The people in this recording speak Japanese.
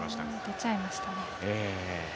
出ちゃいましたね。